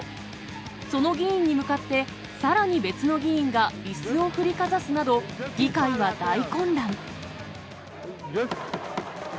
その議員に向かって、さらに別の議員がいすを振りかざすなど、議会は大混乱。